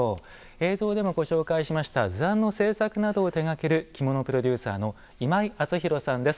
映像でもご紹介しました図案の製作などを手がける着物プロデューサーの今井淳裕さんです。